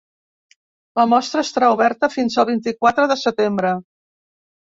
La mostra estarà oberta fins al vint-i-quatre de setembre.